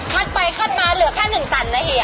มันไปขึ้นมาเหลือแค่๑ตันนะเฮีย